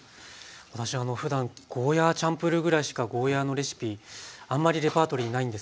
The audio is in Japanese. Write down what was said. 私ふだんゴーヤーチャンプルーぐらいしかゴーヤーのレシピあんまりレパートリーないんですけど。